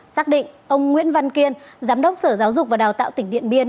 xác định ông nguyễn văn kiên giám đốc sở giáo dục và đào tạo tỉnh điện biên